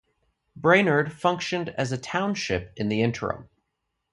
Brainerd functioned as a township in the interim.